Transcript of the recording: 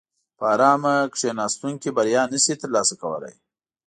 په ارامه کیناستونکي بریا نشي ترلاسه کولای.